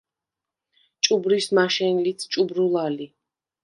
ჭუბრიშ მაშენ ლიც ჭუბრულა ლი.